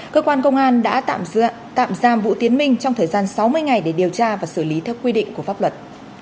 cơ quan công an đã tạm giam vũ tiến minh trong thời gian sáu mươi ngày để điều tra và xử lý theo quy định của pháp luật